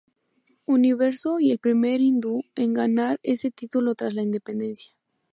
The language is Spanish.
Universo y el primer hindú en ganar ese título tras la independencia.